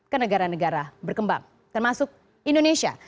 ke negara negara berkembang termasuk indonesia